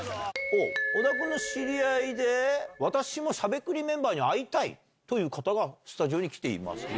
小田君の知り合いで、私もしゃべくりメンバーに会いたいという方がスタジオに来ていますと。